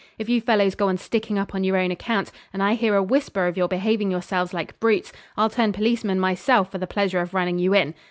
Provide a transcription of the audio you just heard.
If you fellows go on sticking up on your own account, and I hear a whisper of your behaving yourselves like brutes, I'll turn policeman myself for the pleasure of running you in.